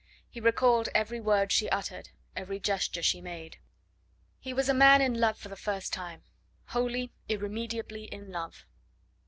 He recalled every word she uttered, every gesture she made. He was a man in love for the first time wholly, irremediably in love.